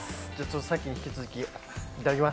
さっきに引き続き、いただきます。